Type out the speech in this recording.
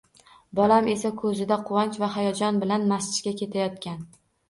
Bolam esa koʻzida quvonch va hayajon bilan masjidga kelayotgan